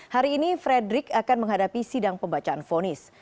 hari ini frederick akan menghadapi sidang pembacaan fonis